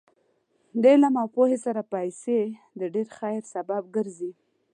د علم او پوهې سره پیسې د ډېر خیر سبب ګرځي.